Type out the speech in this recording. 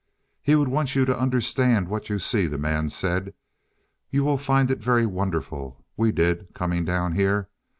"He would want you to understand what you see," the man said. "You will find it very wonderful we did, coming down here.